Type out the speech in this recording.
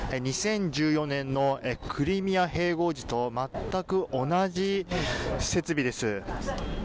２０１４年のクリミア併合時と全く同じ設備です。